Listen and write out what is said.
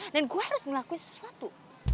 dan gue harus ngelakuin sesuatu